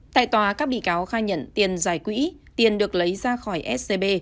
tại tòa các bị cáo khai nhận tiền giải quỹ tiền được lấy ra khỏi scb